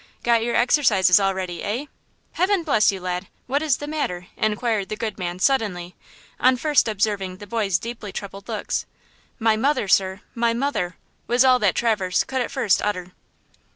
Got your exercises all ready, eh? Heaven bless you, lad, what is the matter?" inquired the good man, suddenly, on first observing the boy's deeply troubled looks. "My mother sir! my mother!" was all that Traverse could at first utter.